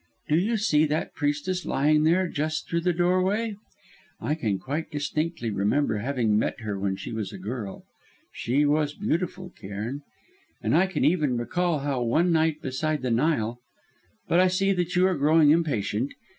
Do you see that priestess lying there, just through the doorway? I can quite distinctly remember having met her when she was a girl; she was beautiful, Cairn. And I can even recall how, one night beside the Nile but I see that you are growing impatient!